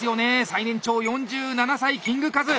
最年長４７歳キングカズ。